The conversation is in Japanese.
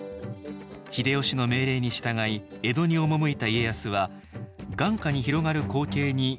秀吉の命令に従い江戸に赴いた家康は眼下に広がる光景に言葉をなくします